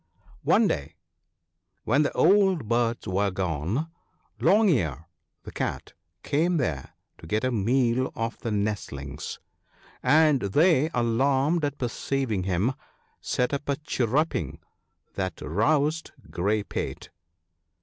One day, when the old birds were gone, Long ear, the Cat, came there to get a meal of the nestlings; and they, alarmed at perceiving him, set up a chirruping that roused Grey pate.